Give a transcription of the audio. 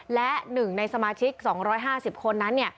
และ๑ในสมาชิก๒๕๐คนนั้น